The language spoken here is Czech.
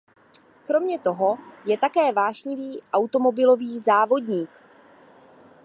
Kromě toho je také vášnivý automobilový závodník.